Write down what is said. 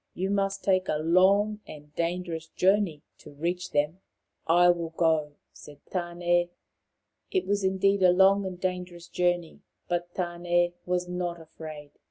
You must take a long and dangerous journey to reach them." " I will go," said Tane. It was indeed a long and dangerous journey, but Tan6 was not afraid.